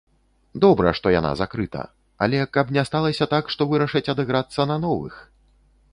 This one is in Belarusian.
Добра, што яна закрыта, але, каб не сталася так, што вырашаць адыграцца на новых.